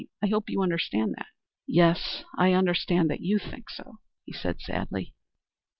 I hope you understand that." "Yes, I understand that you think so," he said sadly.